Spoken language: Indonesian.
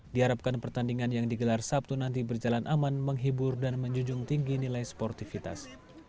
diharapkan pertandingan yang digelar sabtu nanti berjalan aman menghibur dan menjunjung tinggi nilai sportivitas